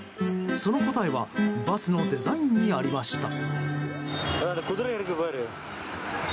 その答えはバスのデザインにありました。